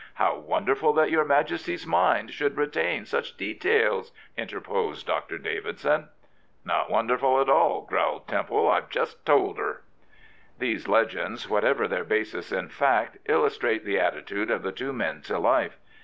How wonderful that your Majesty's mind should retain such details!" interposed Dr. Davidson. "Not wonderful at ail," growled Temple. " I've just told her." These legends, whatever their basis in fact, illustrate the attitude of the two men to life.